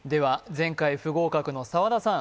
前回不合格の澤田さん